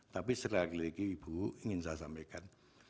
tapi sekali lagi ibu ingin saya sampaikan